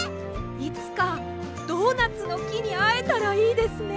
いつかドーナツのきにあえたらいいですね。